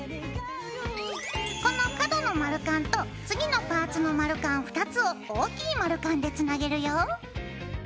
この角の丸カンと次のパーツの丸カン２つを大きい丸カンでつなげるよ。